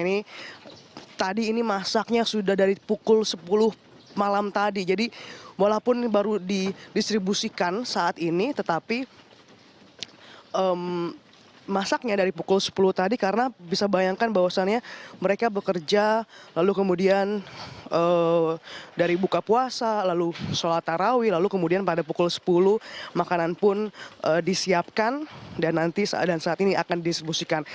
ini tadi ini masaknya sudah dari pukul sepuluh malam tadi jadi walaupun baru didistribusikan saat ini tetapi masaknya dari pukul sepuluh tadi karena bisa bayangkan bahwasannya mereka bekerja lalu kemudian dari buka puasa lalu sholat tarawi lalu kemudian pada pukul sepuluh makanan pun disiapkan dan saat ini akan didistribusikan